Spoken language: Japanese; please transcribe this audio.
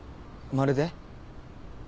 まるで？